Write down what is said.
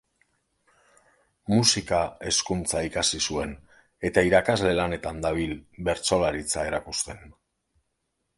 Musika Hezkuntza ikasi zuen eta irakasle lanetan dabil bertsolaritza erakusten.